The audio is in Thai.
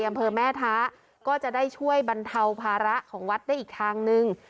อำเภอแม่ท้าก็จะได้ช่วยบรรเทาภาระของวัดได้อีกทางนึง